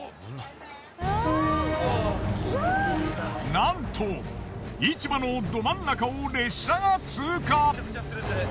なんと市場のど真ん中を列車が通過。